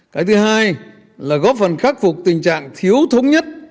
cái thứ hai là góp phần khắc phục tình trạng thiếu thống nhất